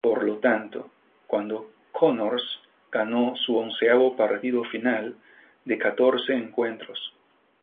Por lo tanto, cuando Connors ganó su onceavo partido final de catorce encuentros.